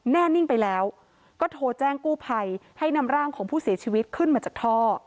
แน่นิ่งไปแล้วก็โทรแจ้งกู้ภัยให้นำร่างของผู้เสียชีวิตขึ้นมาจากท่อ